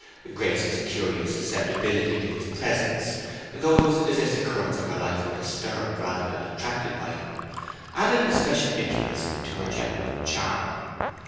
Grace's curious susceptibility to his presence, though it was as if the currents of her life were disturbed rather than attracted by him, added a special interest to her general charm.